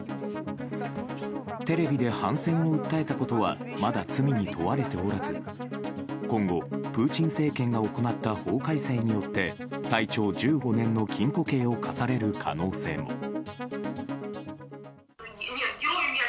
テレビで反戦を訴えたことはまだ罪に問われておらず今後、プーチン政権が行った法改正によって最長１５年の禁錮刑を科される可能性も。